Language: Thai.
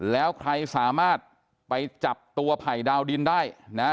แล้วใครสามารถไปจับตัวไผ่ดาวดินได้นะ